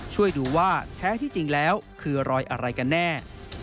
ช่วยดูว่าแท้ที่จริงแล้วคือรอยอะไรกันแน่